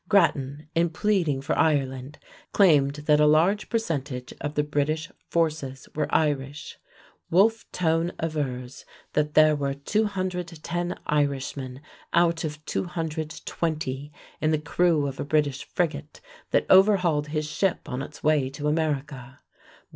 Grattan, in pleading for Ireland, claimed that a large percentage of the British forces were Irish. Wolfe Tone avers that there were 210 Irishmen out of 220 in the crew of a British frigate that overhauled his ship on its way to America.